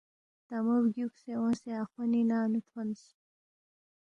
تا مو بگیُوکسے اونگسے اخونی ننگ نُو تھونس